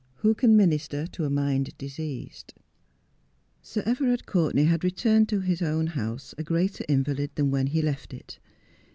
WHO CAN MINISTER TO A MIND DISEASED 1 Sir Everard Courtenay had returned to his own house a greater invalid than when he left it.